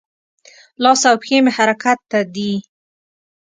لاس او پښې مې حرکت ته دي.